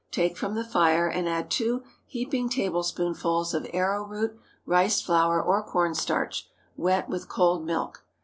Take from the fire and add two heaping tablespoonfuls of arrow root, rice flour, or corn starch, wet with cold milk.